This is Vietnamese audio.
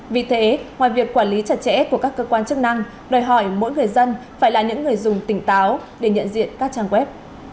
vì thế ngoài việc quản lý chặt chẽ của các cơ quan chức năng đòi hỏi mỗi người dân phải là những người dùng tỉnh táo để nhận diện các trang web